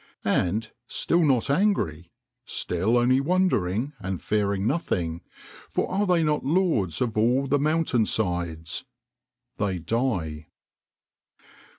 And, still not angry, still only wondering and fearing nothing for are they not lords of all the mountain sides? they die.